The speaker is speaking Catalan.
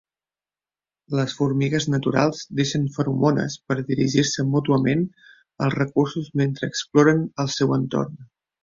Les formigues naturals deixen feromones per dirigir-se mútuament als recursos mentre exploren el seu entorn.